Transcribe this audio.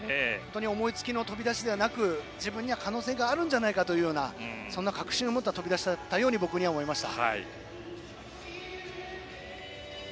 思いつきの飛び出しではなく自分には可能性があるんじゃないかというそんな確信を持った飛び出しだったように思いました。